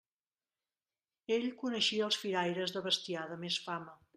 Ell coneixia els firaires de bestiar de més fama.